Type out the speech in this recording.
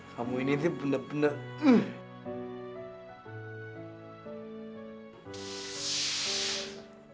kamu ini sih bener bener